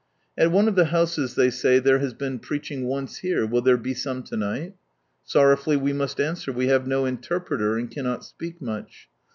At one of the houses they say there has been preaching once here, will there be some to nighl ? Sorrowfully we must answer, we have no interpreter and cannot speak much.